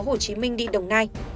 hồ chí minh đi đồng nai